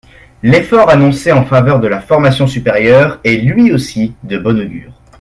L’effort annoncé en faveur de la formation supérieure est lui aussi de bon augure.